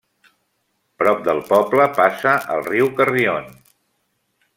Prop del poble passa el riu Carrión.